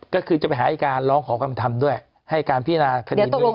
ก็คือจะไปหาอายการร้องขอความทำด้วยให้การพินาคดีนี้